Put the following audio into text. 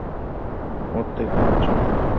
ওর থেকে হাত সরান।